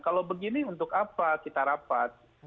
kalau begini untuk apa kita rapat